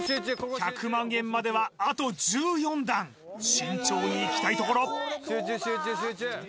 １００万円まではあと１４段慎重にいきたいところ集中集中集中！